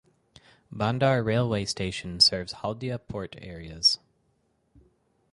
Bandar railway station serves Haldia Port areas.